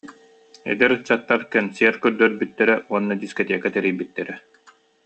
Эдэр ыччаттар кэнсиэр көрдөрбүттэрэ уонна дискотека тэрийбиттэрэ